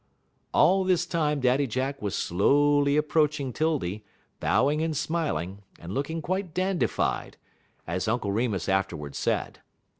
All this time Daddy Jack was slowly approaching 'Tildy, bowing and smiling, and looking quite dandified, as Uncle Remus afterward said.